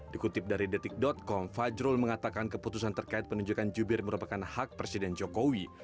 dikutip dari detik com fajrul mengatakan keputusan terkait penunjukan jubir merupakan hak presiden jokowi